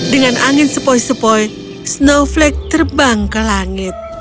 dengan angin sepoi sepoi snowflake terbang ke langit